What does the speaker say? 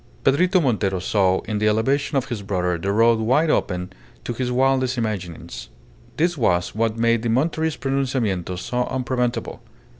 Pedrito Montero saw in the elevation of his brother the road wide open to his wildest imaginings. This was what made the Monterist pronunciamiento so unpreventable.